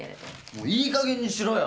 もういいかげんにしろよ！